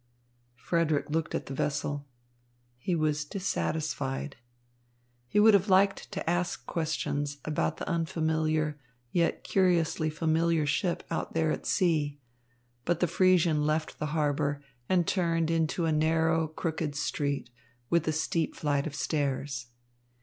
Frederick looked at the vessel. He was dissatisfied. He would have liked to ask questions about the unfamiliar, yet curiously familiar ship out there at sea; but the Friesian left the harbour and turned into a narrow, crooked street with a steep flight of stairs.